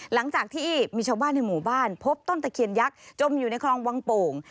หลังจากที่มีชาวบ้านในหมู่บ้านพบต้นตะเคียนยักษ์จมอยู่ในคลองวังโป่ง